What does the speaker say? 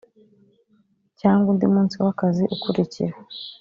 cyangwa undi munsi w akazi ukurikira